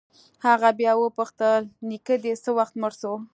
هغه بيا وپوښتل نيکه دې څه وخت مړ سو.